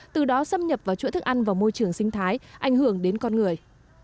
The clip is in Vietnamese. từ đó xâm nhập vào chuỗi thức ăn và môi trường sinh thái ảnh hưởng đến con người